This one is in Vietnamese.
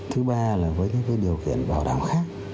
thứ ba là với những điều kiện bảo đảm khác